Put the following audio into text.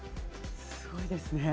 すごいですね。